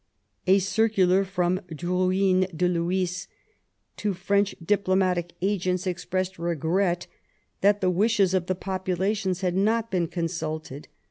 A circular from Droujm de Lhuys to French Diplomatic Agents expressed regret that the " wishes of the populations had not been consulted.